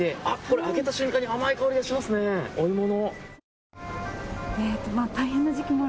開けた瞬間に甘い香りがしますね、お芋の。